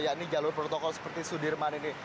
yakni jalur protokol seperti sudirman ini